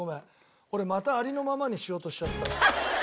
俺また「ありのまま」にしようとしちゃった。